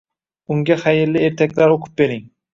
Unga xayrli ertaklar o‘qib bering